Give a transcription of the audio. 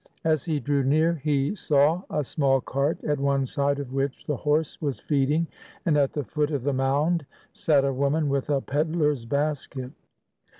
As he drew near, he saw a small cart, at one side of which the horse was feeding, and at the foot of the mound sat a woman with a pedler's basket.